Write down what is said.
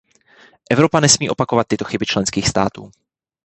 Evropa nesmí opakovat tyto chyby členských států.